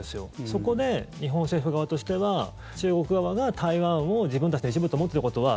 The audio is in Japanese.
そこで日本政府側としては中国側が台湾を自分たちの一部と思っていることは